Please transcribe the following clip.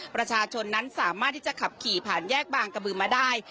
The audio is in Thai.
ประชาชนนั้นสามารถที่จะขับขี่ผ่านแยกบางกระบือมาได้